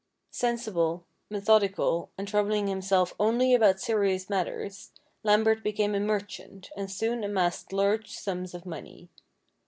Sensible, methodical, and troubling himself only about serious matters, Lambert became a merchant, and soon amassed large sums of money.